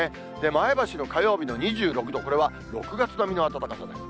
前橋の火曜日の２６度、これは６月並みの暖かさです。